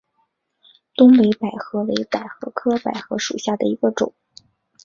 东北百合为百合科百合属下的一个种。